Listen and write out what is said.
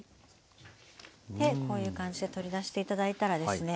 でこういう感じで取り出して頂いたらですね。